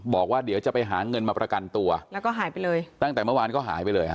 บอกว่าเดี๋ยวจะไปหาเงินมาประกันตัวแล้วก็หายไปเลยตั้งแต่เมื่อวานก็หายไปเลยฮะ